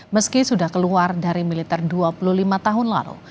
meski sudah keluar dari militer dua puluh lima tahun lalu